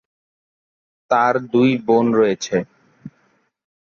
তার দুই বোন রয়েছে।